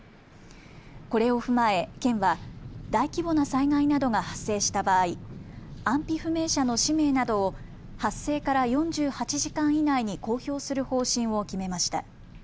これを踏まえ県は大規模な災害などが発生した場合、安否不明者の氏名などを発生から４８時間以内に公表する方針を決めました。